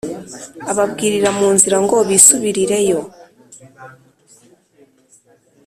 ababwirira mu nzira ngo bisubirireyo